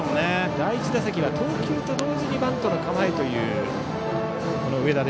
第１打席は投球と同時にバントの構えという上田。